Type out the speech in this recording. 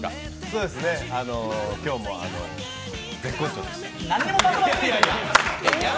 今日も絶好調でした。